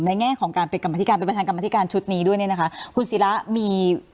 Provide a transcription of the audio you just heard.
ในแง่ของการเป็นกำลังที่การเป็นประธานกำลังที่การชุดนี้ด้วยเนี่ยนะคะคุณศิละมี